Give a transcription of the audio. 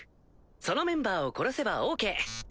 そのメンバーを殺せばオーケー。